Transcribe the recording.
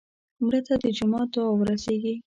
مړه ته د جومات دعا ورسېږي